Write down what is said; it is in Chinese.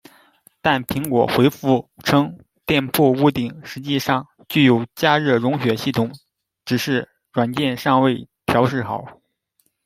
但苹果回复称店铺屋顶实际上“具有加热融雪系统”，只是“软件尚未调试好”。